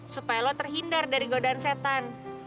supaya lo terhindar dari godan setan